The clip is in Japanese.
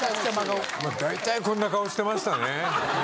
まあ大体こんな顔してましたね。